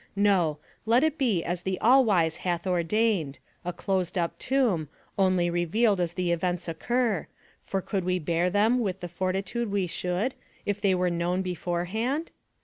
No ; let it be as the All wise hath ordained a closed up tomb, only revealed as the events occur, for could we bear them with the fortitude we should if they were known beforehand